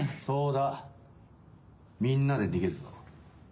そうだみんなで逃げるぞ。